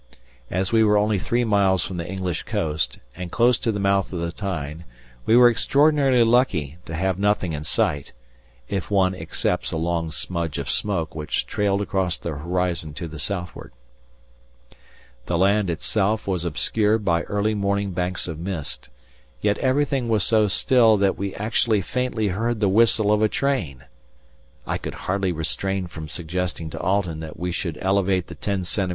As we were only three miles from the English coast, and close to the mouth of the Tyne, we were extraordinarily lucky to have nothing in sight, if one excepts a long smudge of smoke which trailed across the horizon to the southward. The land itself was obscured by early morning banks of mist, yet everything was so still that we actually faintly heard the whistle of a train. I could hardly restrain from suggesting to Alten that we should elevate the 10 cm.